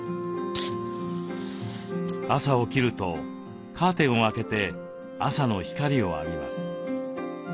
朝起きるとカーテンを開けて朝の光を浴びます。